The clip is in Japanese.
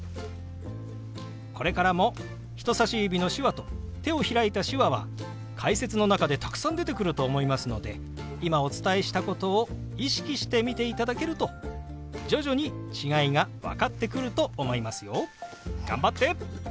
これからも人さし指の「手話」と手を開いた「手話」は解説の中でたくさん出てくると思いますので今お伝えしたことを意識して見ていただけると徐々に違いが分かってくると思いますよ。頑張って！